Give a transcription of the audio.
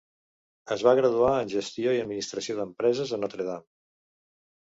Es va graduar en Gestió i Administració d"empreses a Notre Dame.